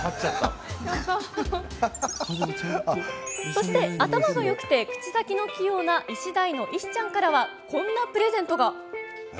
そして頭がよくて口先の器用なイシダイのイシちゃんからはこんなプレゼントが。